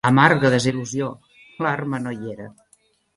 Amarga desil·lusió! L'arma no hi era.